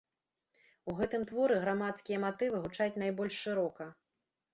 У гэтым творы грамадскія матывы гучаць найбольш шырока.